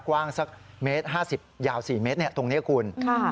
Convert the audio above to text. กว้างสักเมตร๕๐ยาว๔เมตรตรงนี้คุณ